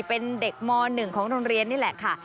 เป็นเด็กม๑ของโรงเรียนนี่แหละค่ะ